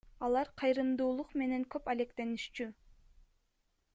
Алар кайрымдуулук менен көп алектенишчү.